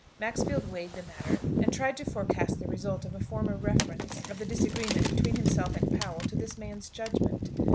Maxfield weighed the matter, and tried to forecast the result of a formal reference of the disagreement between himself and Powell to this man's judgment.